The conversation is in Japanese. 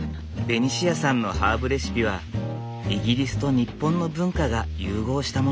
ベニシアさんのハーブレシピはイギリスと日本の文化が融合したもの。